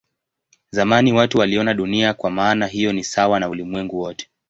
Zamani watu waliona Dunia kwa maana hiyo ni sawa na ulimwengu wote.